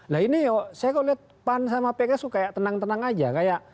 nah ini saya lihat pan dan pks itu kayak tenang tenang saja